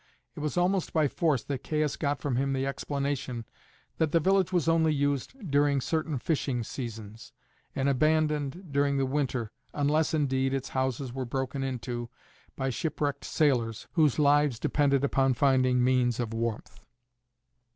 It was almost by force that Caius got from him the explanation that the village was only used during certain fishing seasons, and abandoned during the winter unless, indeed, its houses were broken into by shipwrecked sailors, whose lives depended upon finding means of warmth.